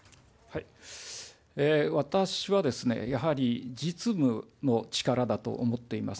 私はやはり、実務の力だと思っています。